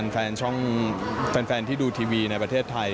แฟนช่องแฟนที่ดูทีวีในประเทศไทย